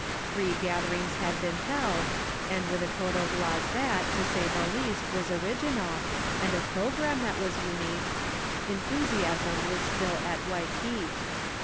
Three gatherings had been held, and with a code of laws that, to say the least, was original, and a programme that was unique, enthusiasm was still at white heat.